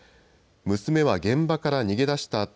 娘は現場から逃げ出した